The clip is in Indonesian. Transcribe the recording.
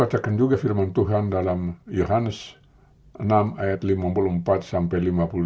katakan juga firman tuhan dalam irhan enam ayat lima puluh empat sampai lima puluh lima